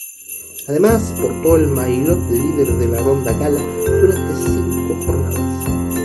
Además portó el maillot de líder de la ronda gala durante cinco jornadas.